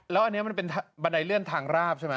แล้วอันนี้มันเป็นบันไดเลื่อนทางราบใช่ไหม